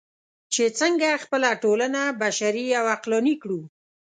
چې څنګه خپله ټولنه بشري او عقلاني کړو.